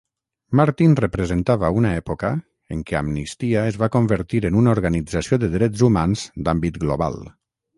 Martin representava una època en què Amnistia es va convertir en una organització de drets humans d'àmbit global.